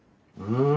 うん。